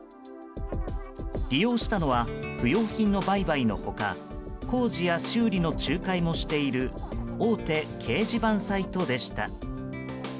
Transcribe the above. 利用したのは不用品の売買の他工事や修理の仲介もしている大手掲示板サイトでした。